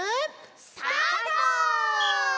スタート！